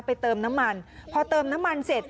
เติมน้ำมันพอเติมน้ำมันเสร็จ